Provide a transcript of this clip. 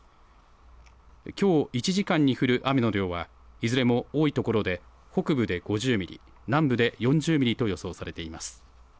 きょう１時間に降る雨の量はいずれも多い所で北部で５０ミリ、南部で４０ミリと予想されています。